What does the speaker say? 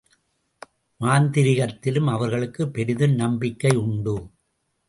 மாந்திரிகத்திலும் அவர்களுக்குப் பெரிதும் நம்பிக்கை உண்டு.